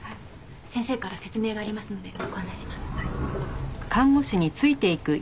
先生から説明がありますのでご案内します。